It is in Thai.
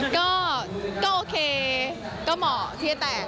ก็โอเคก็เหมาะที่จะแตก